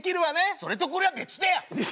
それとこれは別だよ！